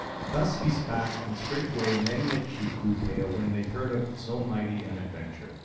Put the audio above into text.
Thus he spake, and straightway many a cheek grew pale when they heard of so mighty an adventure.